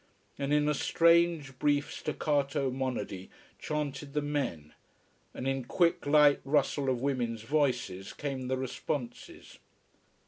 And in a strange, brief, staccato monody chanted the men, and in quick, light rustle of women's voices came the responses.